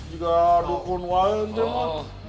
juga dukun wang sih mah